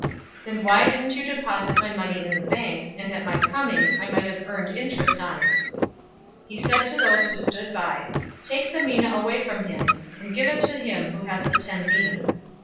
019:023 Then why didn't you deposit my money in the bank, and at my coming, I might have earned interest on it?' 019:024 He said to those who stood by, 'Take the mina away from him, and give it to him who has the ten minas.'